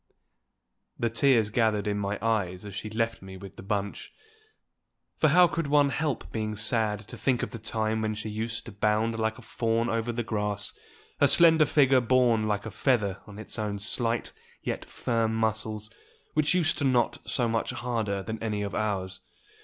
The tears gathered in my eyes as she left me with the bunch; for how could one help being sad to think of the time when she used to bound like a fawn over the grass, her slender figure borne like a feather on its own slight yet firm muscles, which used to knot so much harder than any of ours.